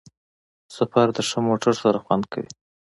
سفر د ښه موټر سره خوند کوي.